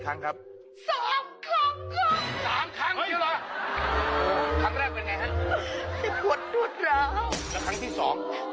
ครั้งแรกเป็นไงฮะที่ผวดดูดเหล้าแล้วครั้งที่สอง